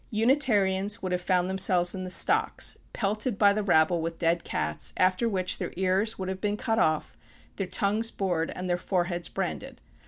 Unitarians would have found themselves in the stocks, pelted by the rabble with dead cats, after which their ears would have been cut off, their tongues bored, and their foreheads branded.